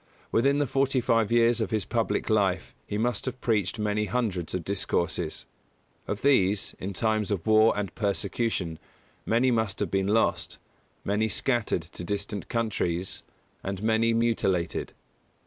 Within the forty five years of his public life he must have preached many hundreds of discourses. Of these, in times of war and persecution, many must have been lost, many scattered to distant countries, and many mutilated.